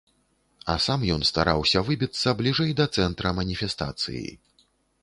А сам ён стараўся выбіцца бліжэй да цэнтра маніфестацыі.